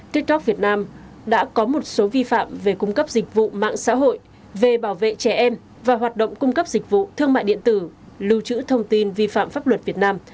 tiktok việt nam đã có một số vi phạm về cung cấp dịch vụ mạng xã hội về bảo vệ trẻ em và hoạt động cung cấp dịch vụ thương mại điện tử lưu trữ thông tin vi phạm pháp luật việt nam